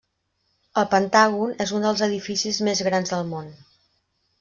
El Pentàgon és un dels edificis més grans del món.